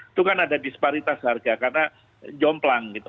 itu kan ada disparitas harga karena jomplang gitu